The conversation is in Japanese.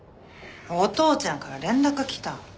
お父ちゃんから連絡来た。